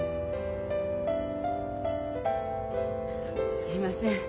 すいません